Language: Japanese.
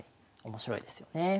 面白いですよね。